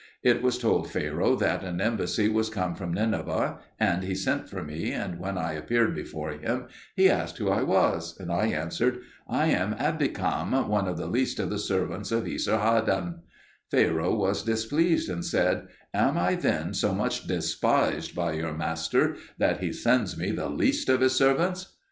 It was told Pharaoh that an embassy was come from Nineveh, and he sent for me, and when I appeared before him he asked who I was. And I answered, "I am Abikam, one of the least of the servants of Esar haddon." Pharaoh was displeased, and said, "Am I then so much despised by your master that he sends me the least of his servants?"